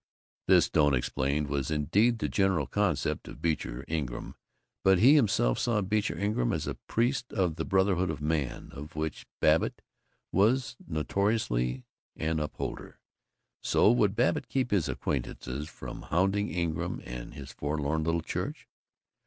This, Doane explained, was indeed the general conception of Beecher Ingram, but he himself saw Beecher Ingram as a priest of the brotherhood of man, of which Babbitt was notoriously an upholder. So would Babbitt keep his acquaintances from hounding Ingram and his forlorn little church?